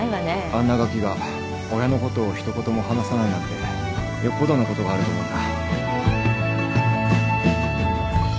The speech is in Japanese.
あんなガキが親のことを一言も話さないなんてよっぽどのことがあると思うんだ。